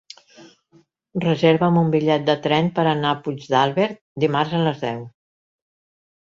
Reserva'm un bitllet de tren per anar a Puigdàlber dimarts a les deu.